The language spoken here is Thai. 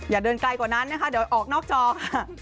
อย่าเดินไกลกว่านั้นนะคะเดี๋ยวออกนอกจอค่ะ